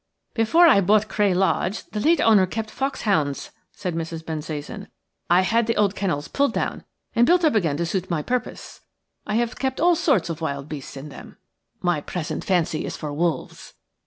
"Before I bought Cray Lodge, the late owner kept foxhounds," said Mrs. Bensasan. "I had the old kennels pulled down and built up again to suit my purpose. I have kept all sorts of wild beasts in them. My present fancy is for wolves.